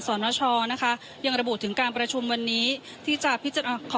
สนชนะคะยังระบุถึงการประชุมวันนี้ที่จะพิจารณาขอ